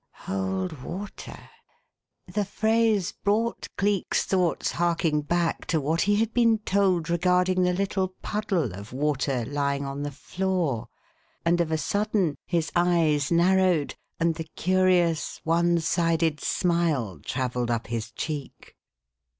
"Hold water!" The phrase brought Cleek's thoughts harking back to what he had been told regarding the little puddle of water lying on the floor, and of a sudden his eyes narrowed, and the curious one sided smile travelled up his cheek.